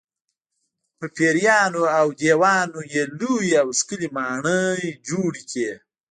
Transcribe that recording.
په پېریانو او دیوانو یې لویې او ښکلې ماڼۍ جوړې کړې.